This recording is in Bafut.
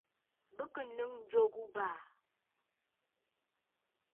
Bɨ kɨ̀ nɨ̌ŋ ǹjò ghu abàà.